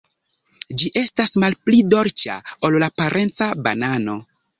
Ĝi estas malpli dolĉa ol la parenca banano.